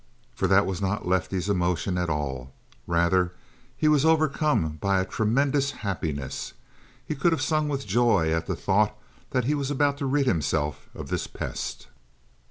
For that was not Lefty's emotion at all. Rather he was overcome by a tremendous happiness. He could have sung with joy at the thought that he was about to rid himself of this pest.